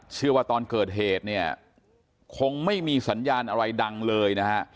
ตอนเกิดเหตุเนี่ยคงไม่มีสัญญาณอะไรดังเลยนะฮะ